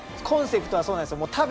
コンセプトはそうなんですよ。